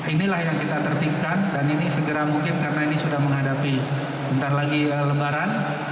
inilah yang kita tertipkan dan ini segera mungkin karena ini sudah menghadapi bentar lagi lebaran